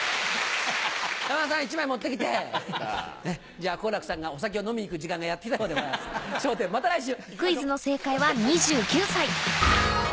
じゃあ好楽さんがお酒を飲みに行く時間がやってきたようでございます『笑点』また来週！